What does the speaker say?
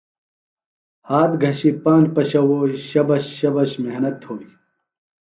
ہات گِھشی پاند پشَوؤئیۡ، شبش شبش ہِمت تھوئیۡ